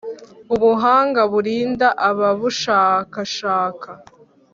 ubuhanga burinda ababushakashaka